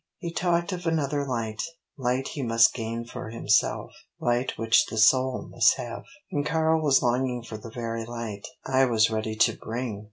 He talked of another light light he must gain for himself light which the soul must have. And Karl was longing for the very light I was ready to bring!